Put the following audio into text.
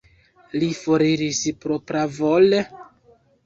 Li foriris propravole?